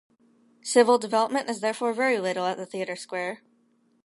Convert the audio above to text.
Civil development is therefore very little at the theater square.